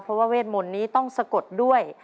เพราะว่าเวทมนต์นี้ต้องสะกดด้วย